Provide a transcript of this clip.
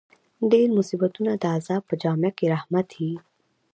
ډېر مصیبتونه د عذاب په جامه کښي رحمت يي.